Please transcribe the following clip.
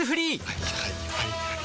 はいはいはいはい。